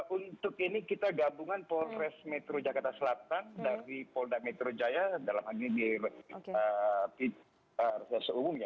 untuk ini kita gabungan polres metro jakarta selatan dari poldametrojaya dalam hal ini di resulsa seumung ya